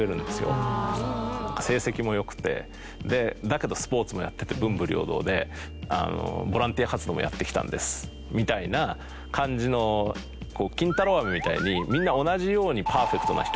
だけどスポーツもやってて文武両道でボランティア活動もやってきたんですみたいな感じの金太郎飴みたいにみんな同じように。